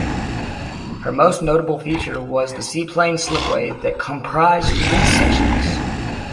Her most notable feature was the seaplane slipway that comprised three sections.